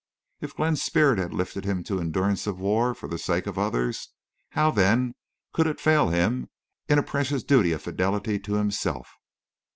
If Glenn's spirit had lifted him to endurance of war for the sake of others, how then could it fail him in a precious duty of fidelity to himself?